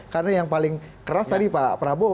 karena yang paling keras tadi pak prabowo